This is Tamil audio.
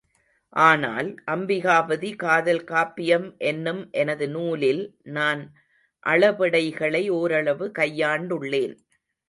ஆனால், அம்பிகாபதி காதல் காப்பியம் என்னும் எனது நூலில் நான் அளபெடைகளை ஓரளவு கையாண்டுள்ளேன்.